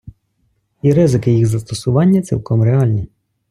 І ризики їх застосування цілком реальні.